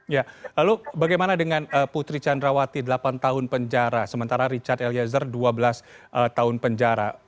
ya lalu bagaimana dengan putri candrawati delapan tahun penjara sementara richard eliezer dua belas tahun penjara